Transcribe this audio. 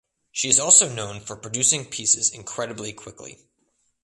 She is also known for producing pieces incredibly quickly.